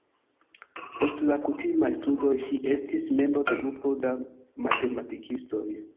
Post la kutimaj studoj ŝi estis membro de grupo da matematikistoj.